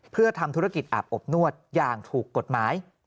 เพื่อทำธุรกิจอาบอบนวดอย่างถูกกฎหมาย